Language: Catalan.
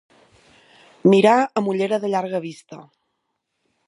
Mirar amb ullera de llarga vista.